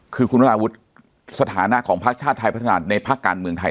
คือคุณวราวุฒิสถานะของภาคชาติไทยพัฒนาในภาคการเมืองไทย